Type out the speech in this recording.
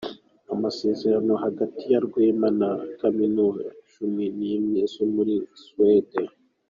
Amasezerano hagati ya Rwema na Kaminuza Cumi Nimwe zo muri Suwede